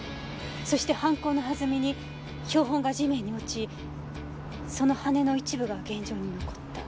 そして犯行の弾みに標本が地面に落ちその羽の一部が現場に残った。